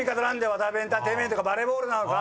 ワタナベエンターテインメントかバレーボールなのか。